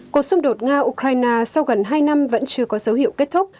cuộc xung đột nga ukraine sau gần hai năm vẫn chưa có dấu hiệu kết thúc